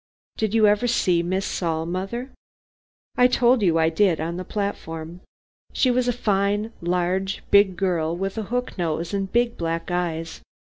"Did you ever see Miss Saul, mother?" "I told you I did on the platform. She was a fine, large, big girl, with a hook nose and big black eyes.